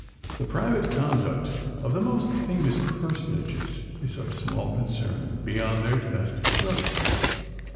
The private conduct of the most famous personages is of small concern beyond their domestic circle.